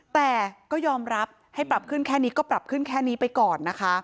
แต่ก็ยอมรับให้ปรับขึ้นแค่นี้ก็ปรับขึ้นแค่นี้ไปก่อนนะคะ